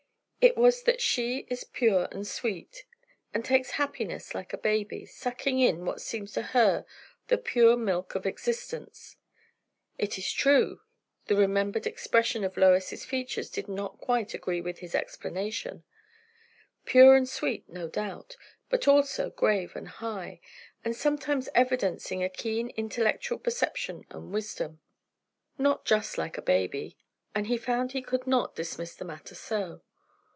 It is that she is pure and sweet, and takes happiness like a baby, sucking in what seems to her the pure milk of existence. It is true, the remembered expression of Lois's features did not quite agree with this explanation; pure and sweet, no doubt, but also grave and high, and sometimes evidencing a keen intellectual perception and wisdom. Not just like a baby; and he found he could not dismiss the matter so.